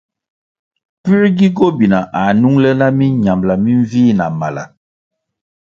Pue gi gobina ā nung le minambʼla minvih na mala?